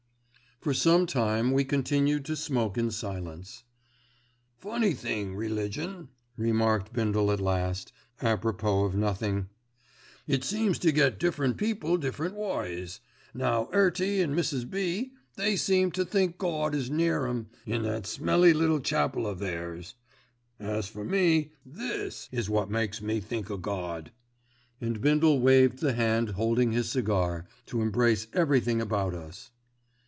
For some time we continued to smoke in silence. "Funny thing, religion," remarked Bindle at last, a propos of nothing; "it seems to get different people different ways. Now 'Earty and Mrs. B., they seem to think Gawd is near 'em in that smelly little chapel o' theirs; as for me this is what makes me think o' Gawd." And Bindle waved the hand holding his cigar to embrace everything about us.